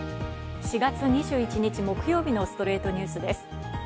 ４月２１日、木曜日の『ストレイトニュース』です。